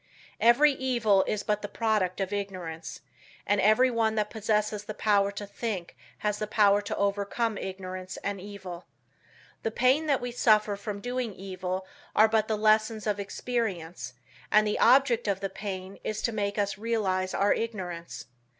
Every evil is but the product of ignorance, and everyone that possesses the power to think has the power to overcome ignorance and evil. The pain that we suffer from doing evil are but the lessons of experience, and the object of the pain is to make us realize our ignorance.